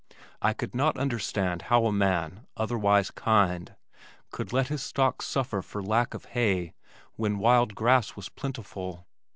I could not understand how a man, otherwise kind, could let his stock suffer for lack of hay when wild grass was plentiful.